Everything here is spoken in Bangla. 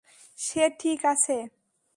সে ঠিক আছে।